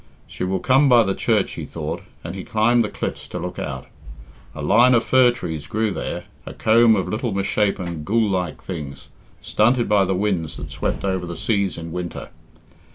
"She will come by the church," he thought, and he climbed the cliffs to look out. A line of fir trees grew there, a comb of little misshapen ghoul like things, stunted by the winds that swept over the seas in winter.